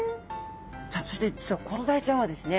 さあそして実はコロダイちゃんはですね